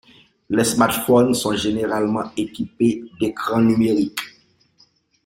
Les smartphones sont généralement équipés d'écrans numériques.